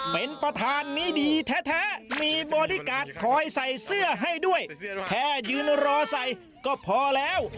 เป็นประธานนี้ดีแท้มีบอดี้การ์ดคอยใส่เสื้อให้ด้วยแค่ยืนรอใส่ก็พอแล้ว